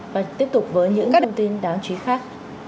và tiếp tục với những thông tin đáng chú ý khác